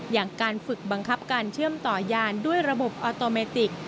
อย่างการฝึกบังคับการเชื่อมต่อยานด้วยระบบออโตเมติก